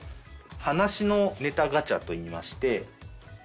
話のネタガチャといいまして。